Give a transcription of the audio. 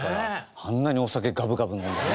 あんなにお酒ガブガブ飲んでね。